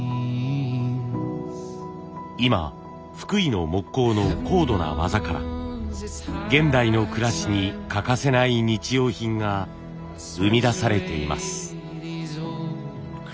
今福井の木工の高度な技から現代の暮らしに欠かせない日用品が生み出されています。